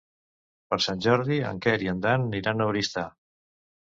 Per Sant Jordi en Quer i en Dan aniran a Oristà.